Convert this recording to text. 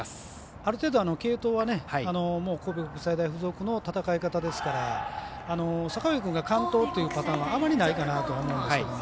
ある程度継投は神戸国際大付属の戦い方ですから阪上君が完投というパターンはあまりないかなと思いますけど。